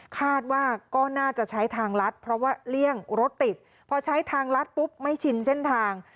คาดว่าก็น่าจะใช้ทางลัดเพราะว่าเลี่ยงรถติดพอใช้ทางลัดปุ๊บไม่ชินเส้นทาง